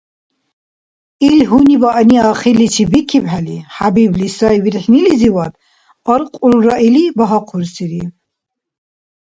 Ил гьунибаъни ахирличи бикибхӀели, ХӀябибли, сай вирхӀнилизивад аркьулра или багьахъурсири.